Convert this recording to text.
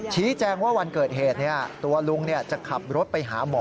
ชี้แจงว่าวันเกิดเหตุตัวลุงจะขับรถไปหาหมอ